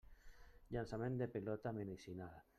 Llançament de pilota medicinal.